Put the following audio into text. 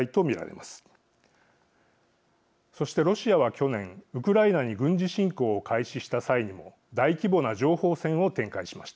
そしてロシアは去年ウクライナに軍事侵攻を開始した際にも大規模な情報戦を展開しました。